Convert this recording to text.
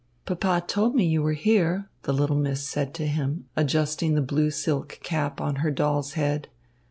"Papa told me you were here," the little miss said to him, adjusting the blue silk cap on her doll's head.